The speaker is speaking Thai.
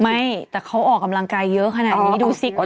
ไม่แต่เขาออกกำลังกายเยอะขนาดนี้ดูสิ